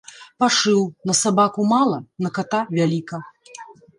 Пашыў: на сабаку ‒ мала, на ката ‒ вяліка